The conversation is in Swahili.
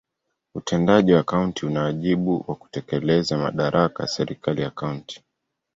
Utendaji wa kaunti una wajibu wa kutekeleza madaraka ya serikali ya kaunti.